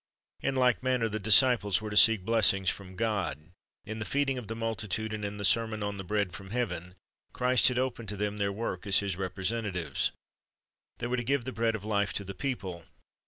In like manner the disciples were to seek blessings from God. In the feeding of the multitude and in the sermon on the bread from heaven, Christ had opened to them their work as His representatives. They were to give the bread of life to the people.